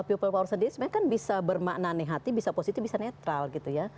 ppp sendiri sebenarnya kan bisa bermakna nihati bisa positif bisa netral gitu ya